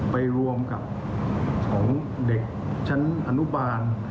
ไปรวมกับของเด็กชั้นอนุบาล